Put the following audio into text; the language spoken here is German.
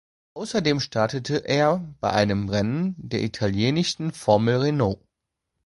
Außerdem startete er bei einem Rennen der italienischen Formel Renault.